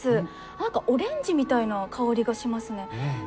何かオレンジみたいな香りがしますね。